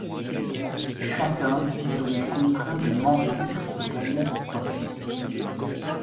Chacun est donc contraint de mentir pour gagner du temps.